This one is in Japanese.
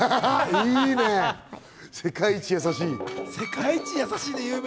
いいね、世界一優しい。